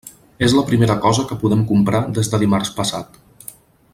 És la primera cosa que podem comprar des de dimarts passat.